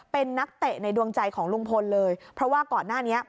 เป็นนักเตะในดวงใจของลุงพลเลยเพราะว่าก่อนหน้านี้